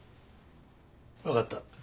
わかった。